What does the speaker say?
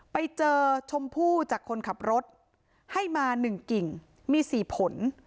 ไปเจอชมพู่จากคนขับรถให้มา๑กิ่งมี๔ผล